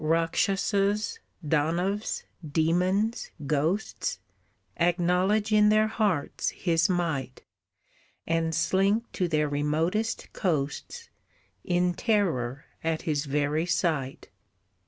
"Rakshases, Danavs, demons, ghosts, Acknowledge in their hearts his might, And slink to their remotest coasts, In terror at his very sight.